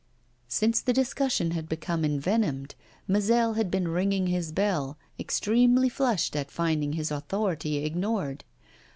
Since the discussion had become envenomed, Mazel had been ringing his bell, extremely flushed at finding his authority ignored.